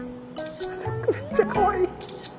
めっちゃかわいい。